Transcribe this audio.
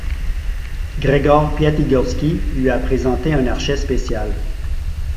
Gregor Piatigorsky lui a présenté un archet spécial.